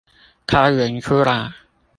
開源出來